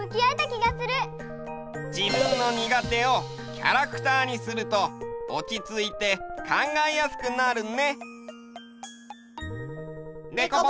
自分の苦手をキャラクターにするとおちついて考えやすくなるね！